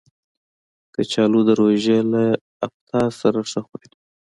کچالو د روژې له افطار سره ښه خوري